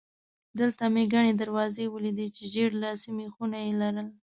دلته مې ګڼې دروازې ولیدې چې ژېړ لاسي مېخونه یې لرل.